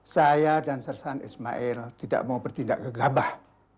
saya dan sersan ismail tidak mau bertindak ke gabah